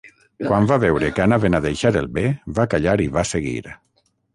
Quan va veure que anaven a deixar el bé va callar i va seguir.